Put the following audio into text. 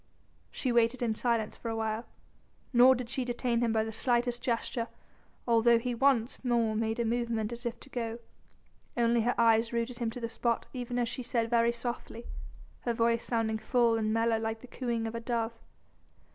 She waited in silence for a while, nor did she detain him by the slightest gesture although he once more made a movement as if to go, only her eyes rooted him to the spot even as she said very softly, her voice sounding full and mellow like the cooing of a dove.